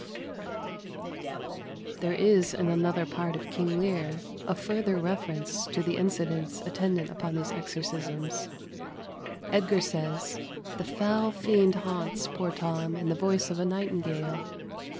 ] There is in another part of "King Lear" a further reference to the incidents attendant upon these exorcisms Edgar says, "The foul fiend haunts poor Tom in the voice of a nightingale."